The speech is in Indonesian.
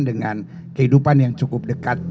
dengan kehidupan yang cukup dekat